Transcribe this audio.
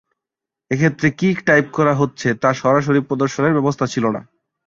এক্ষেত্রে কী টাইপ করা হচ্ছে তা সরাসরি প্রদর্শনের ব্যবস্থা ছিল না।